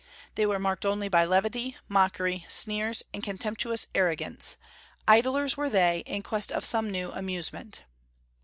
They were marked only by levity, mockery, sneers, and contemptuous arrogance; idlers were they, in quest of some new amusement.